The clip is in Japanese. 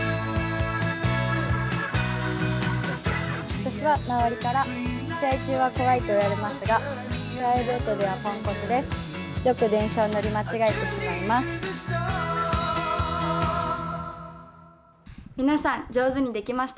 私は周りから試合中は怖いと言われますがプライベートではポンコツです。